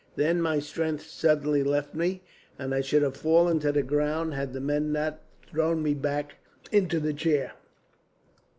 Then my strength suddenly left me, and I should have fallen to the ground, had the men not thrown me back into the chair.